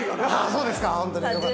そうですか。